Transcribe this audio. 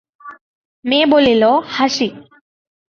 মেয়ে বলিল, হাসি।